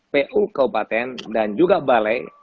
pu kabupaten dan juga balai